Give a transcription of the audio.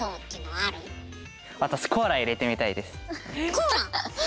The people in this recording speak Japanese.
コーラ！